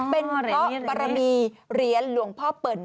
เป็นเพราะบารมีเหรียญหลวงพ่อเปิ่น